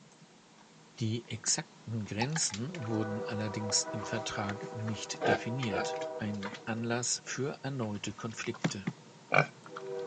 Die exakten Grenzen wurden allerdings im Vertrag nicht definiert, ein Anlass für erneute Konflikte.